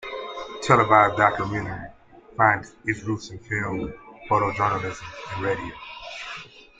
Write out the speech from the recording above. Televised documentary finds its roots in film, photojournalism, and radio.